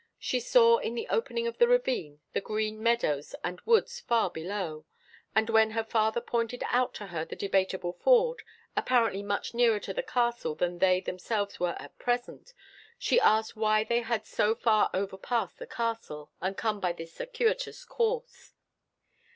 She saw in the opening of the ravine the green meadows and woods far below; and, when her father pointed out to her the Debateable Ford, apparently much nearer to the castle than they themselves were at present, she asked why they had so far overpassed the castle, and come by this circuitous course.